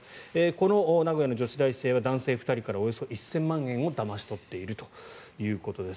この名古屋の女子大生から男性２人からおよそ１０００万円をだまし取っているということです。